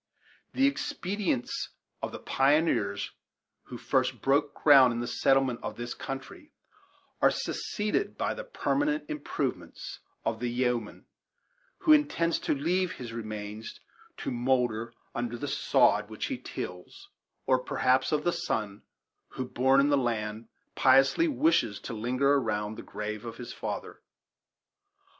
The expedients of the pioneers who first broke ground in the settlement of this country are succeeded by the permanent improvements of the yeoman who intends to leave his remains to moulder under the sod which he tills, or perhaps of the son, who, born in the land, piously wishes to linger around the grave of his father.